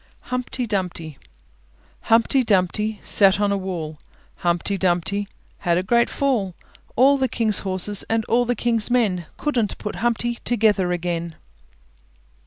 HUMPTY DUMPTY Humpty Dumpty sat on a wall; Humpty Dumpty had a great fall; All the King's horses and all the King's men Couldn't put Humpty Dumpty together again.